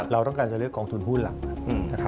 เราต้องการจะเลือกกองทุนหุ้นหลัก